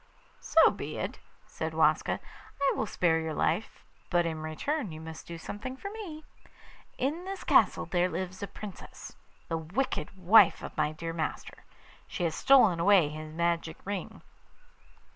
'So be it,' said Waska. 'I will spare your life; but in return you must do something for me. In this castle there lives a Princess, the wicked wife of my dear master. She has stolen away his magic ring.